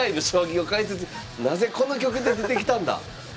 なぜこの曲で出てきたんだ！